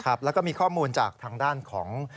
แล้วก็มีข้อมูลจากทางด้านของ